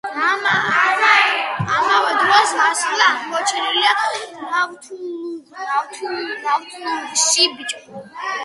ამავე დროის მასალა აღმოჩენილია ნავთლუღში.